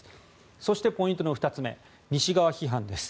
そして、ポイントの２つ目西側批判です。